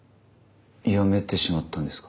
やめてしまったんですか？